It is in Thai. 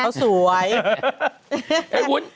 เขาสวย